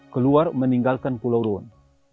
keluar meninggalkan pulau rune